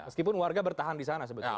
meskipun warga bertahan di sana sebetulnya